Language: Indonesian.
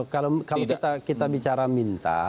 kalau kita bicara minta